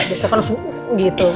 biasanya kan harus gitu